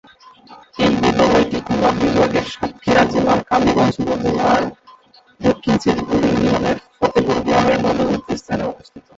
এই বিদ্যালয়টি খুলনা বিভাগের সাতক্ষীরা জেলার কালিগঞ্জ উপজেলার দক্ষিণ শ্রীপুর ইউনিয়নের ফতেপুর গ্রামের মধ্যবর্তী স্থানে অবস্থিত।